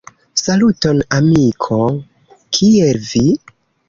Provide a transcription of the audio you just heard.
Saluton amiko, kiel vi?